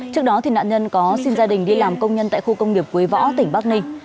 trước đó nạn nhân có xin gia đình đi làm công nhân tại khu công nghiệp quế võ tỉnh bắc ninh